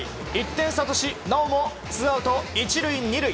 １点差としなおもツーアウト１塁２塁。